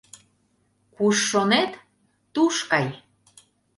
Куш шонет, туш кай!